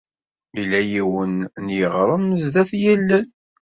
Yella yiwen n yiɣrem sdat yilel.